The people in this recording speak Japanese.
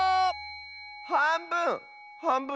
はんぶん⁉